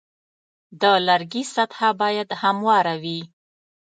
د لرګي سطحه باید همواره وي.